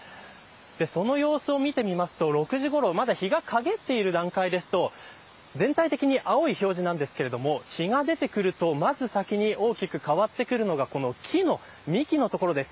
その様子を見てみますと６時ごろまだ日が陰っている段階ですと全体的に青い表示なんですが日が出てくると、まず先に大きく変わってくるのがこの木の幹の所です。